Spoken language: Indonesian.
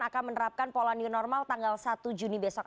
akan menerapkan pola new normal tanggal satu juni besok